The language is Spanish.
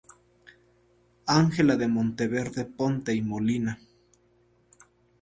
Ángela de Monteverde Ponte y Molina.